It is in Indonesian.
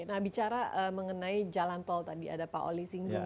nah bicara mengenai jalan tol tadi ada pak oli singgung